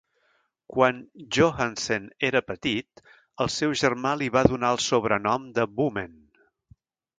Quan Johansen era petit el seu germà li va donar el sobrenom de "Bummen".